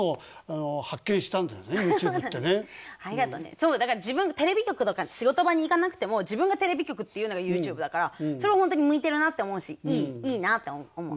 そうだから自分がテレビ局とか仕事場に行かなくても自分がテレビ局っていうのがＹｏｕＴｕｂｅだからそれは本当に向いてるなって思うしいいなって思う。